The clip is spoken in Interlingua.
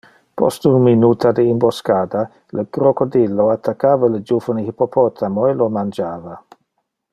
Post un minuta de imboscada, le crocodilo attaccava le juvene hippopotamo e lo mangiava.